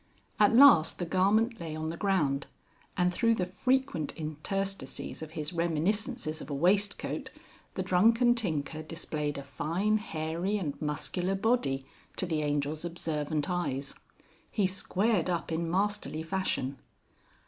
At last the garment lay on the ground, and through the frequent interstices of his reminiscences of a waistcoat, the drunken tinker displayed a fine hairy and muscular body to the Angel's observant eyes. He squared up in masterly fashion.